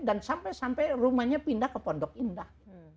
dan sampai sampai rumahnya pindah ke pondok indah